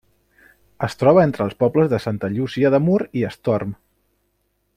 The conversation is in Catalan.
Es troba entre els pobles de Santa Llúcia de Mur i Estorm.